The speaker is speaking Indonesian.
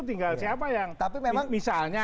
tinggal siapa yang misalnya